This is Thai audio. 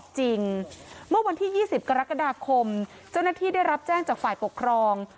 เมื่อวันที่๒๐กรกฎาคมเจ้าหน้าที่ได้รับแจ้งจากฝ่ายปกครอง